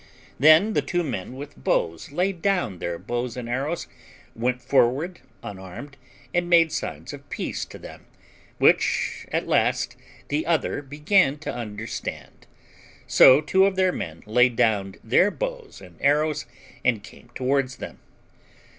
Then the two men with bows laid down their bows and arrows, went forward unarmed, and made signs of peace to them, which at last the other began to understand; so two of their men laid down their bows and arrows, and came towards them.